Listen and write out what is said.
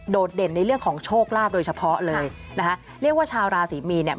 เด่นในเรื่องของโชคลาภโดยเฉพาะเลยนะคะเรียกว่าชาวราศรีมีนเนี่ย